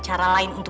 scoop dari ibu itu